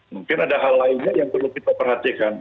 mungkin ada hal lainnya yang perlu kita perhatikan